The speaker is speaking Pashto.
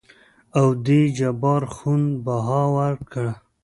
او دې جبار خون بها ورکړه.